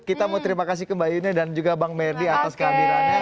kita mau terima kasih ke mbak yuni dan juga bang merdi atas kehadirannya